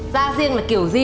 gia riêng là kiểu gì